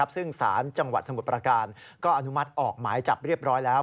ซึ่งสารจังหวัดสมุทรประการก็อนุมัติออกหมายจับเรียบร้อยแล้ว